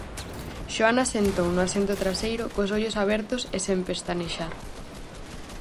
Xoana sentou no asento traseiro cos ollos abertos e sen pestanexar.